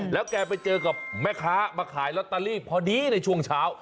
แล้วแกไปเจอกับแม่ค้ามาขายลอตเตอรี่พอดีในช่วงเช้า